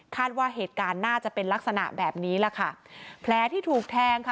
ว่าเหตุการณ์น่าจะเป็นลักษณะแบบนี้แหละค่ะแผลที่ถูกแทงค่ะ